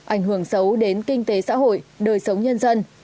ảnh hưởng xấu đến kinh tế xã hội đời sống nhân dân